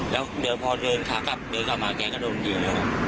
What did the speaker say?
แล้วพอเดินช้ากลับเดินกลับมาแกะกระโดดเดียว